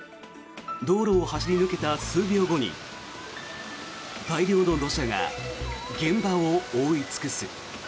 道路を走り抜けた数秒後に大量の土砂が現場を覆い尽くす。